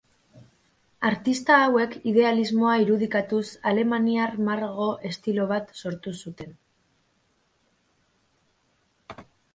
Artista hauek idealismoa irudikatuz alemaniar margo estilo bat sortu zuten.